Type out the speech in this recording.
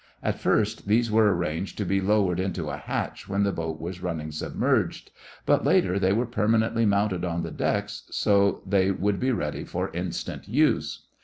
At first these were arranged to be lowered into a hatch when the boat was running submerged, but later they were permanently mounted on the decks so that they would be ready for instant use.